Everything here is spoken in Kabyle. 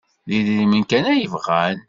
D idrimen kan ay bɣan.